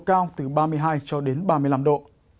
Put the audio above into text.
nơi vẫn có nắng nhiệt độ cao từ ba mươi hai cho đến ba mươi năm độ